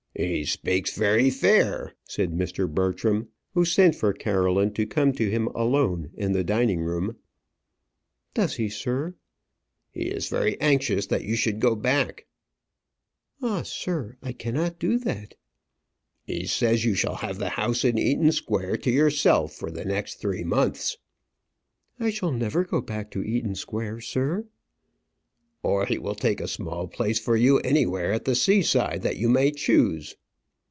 "He speaks very fair," said Mr. Bertram, who sent for Caroline to come to him alone in the dining room. "Does he, sir?" "He is very anxious that you should go back." "Ah, sir, I cannot do that." "He says you shall have the house in Eaton Square to yourself for the next three months." "I shall never go back to Eaton Square, sir." "Or he will take a small place for you anywhere at the sea side that you may choose."